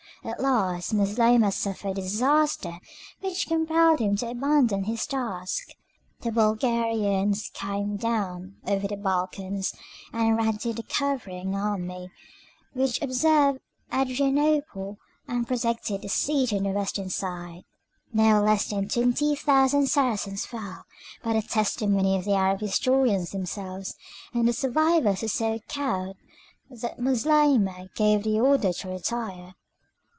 At last Moslemah suffered a disaster which compelled him to abandon his task. The Bulgarians came down over the Balkans, and routed the covering army which observed Adrianople and protected the siege on the western side. No less than twenty thousand Saracens fell, by the testimony of the Arab historians themselves, and the survivors were so cowed that Moslemah gave the order to retire.